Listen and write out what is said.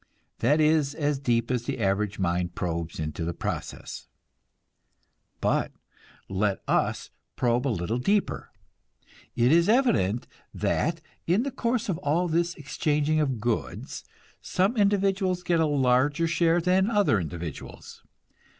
That is as deep as the average mind probes into the process. But let us probe a little deeper. It is evident that, in the course of all this exchanging of goods, some individuals get a larger share than other individuals.